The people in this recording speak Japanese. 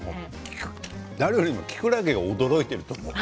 誰よりも、きくらげが驚いてると思う。